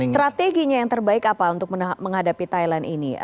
strateginya yang terbaik apa untuk menghadapi thailand ini